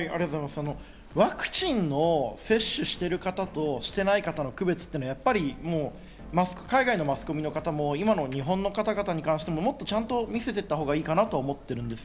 ワクチンを接種している方としていない方の区別っていうのは、海外のマスコミの方も今の日本の方々に関してちゃんと見せていったほうがいいかなと思っているんです。